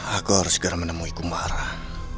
aku harus segera menemui kumarah